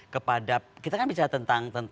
kepada kita kan bicara tentang